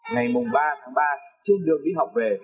ngày ba tháng ba trên đường đi học về